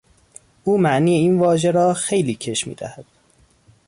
او معنی این واژه را خیلی کش میدهد.